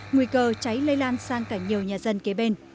nguy cơ cháy lây lan sang cả nhiều nhà dân kế bên